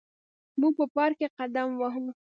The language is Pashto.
موږ په پارک کې قدم وهو.